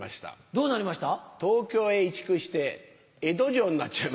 どうなりました？